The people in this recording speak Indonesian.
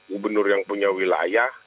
gubernur yang punya wilayah